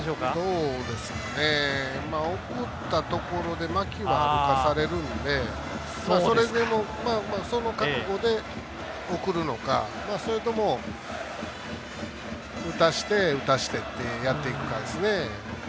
どうですかね送ったところで牧は歩かされるんでそれでも、その覚悟で送るのかそれとも、打たせて打たせてってやっていくかですね。